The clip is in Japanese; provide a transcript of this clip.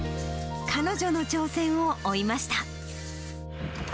彼女の挑戦を追いました。